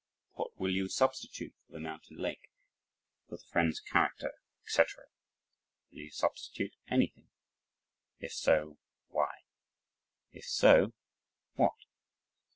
What will you substitute for the mountain lake, for his friend's character, etc.? Will you substitute anything? If so why? If so what?